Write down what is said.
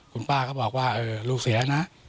คุณป้าก็บอกว่าลูกเสียนะ